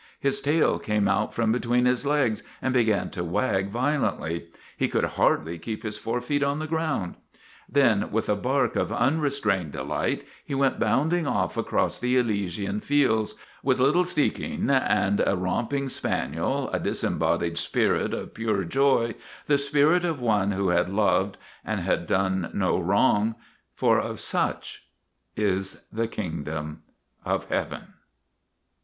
His tail came out from between his legs and began to wag violently; he could hardly keep his fore feet on the ground. Then, with a bark of unrestrained delight he went bounding off across the Elysian fields, with little Stikeen and a romping spaniel, a disembodied spirit of pure joy, the spirit of one who had loved and had done no wrong, for of such is the Kingdom of Heaven.